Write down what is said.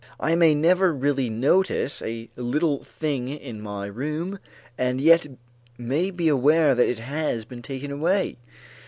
I may never really notice a little thing in my room and yet may be aware that it has been taken away.